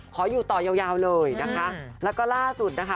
ขออยู่ต่อยาวยาวเลยนะคะแล้วก็ล่าสุดนะคะ